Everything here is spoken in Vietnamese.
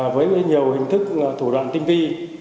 với nhiều hình thức thủ đoạn tinh vi